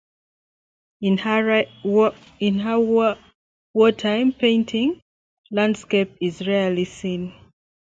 In her wartime paintings, landscape is rarely seen.